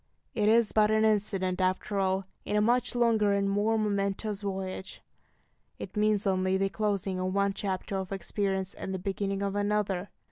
It is but an incident, after all, in a much longer and more momentous voyage. It means only the closing of one chapter of experience and the beginning of another.